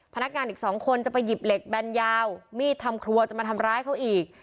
พนักงานอีกสองคนจะไปหยิบเหล็กแบนยาวมีดทำครัวจะมาทำร้ายเขาอีก